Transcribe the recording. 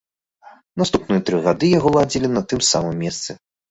Наступныя тры гады яго ладзілі на тым самым месцы.